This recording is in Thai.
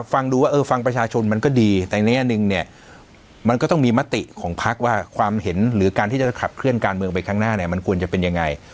ฟังดูว่าเออฟังประชาชนมันก็ดีแต่ในแง่หนึ่งเนี่ยมันก็ต้องมีมติของพักว่าความเห็นหรือการที่จะขับเคลื่อนการเมืองไปข้างหน้าเนี่ยมันควรจะเป็นยังไง